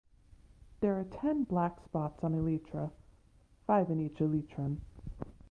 There are ten black spots on elytra (five in each elytron).